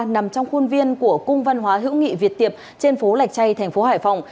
nằm trong khuôn viên của cung văn hóa hữu nghị việt tiệp trên phố lạch chay thành phố hải phòng